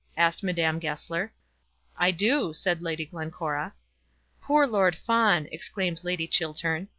asked Madame Goesler. "I do," said Lady Glencora. "Poor Lord Fawn!" exclaimed Lady Chiltern.